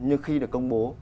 nhưng khi được công bố